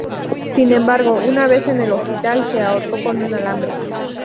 Sin embargo, una vez en el hospital se ahorcó con un alambre.